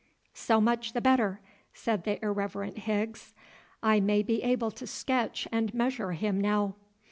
"So much the better," said the irreverent Higgs. "I may be able to sketch and measure him now."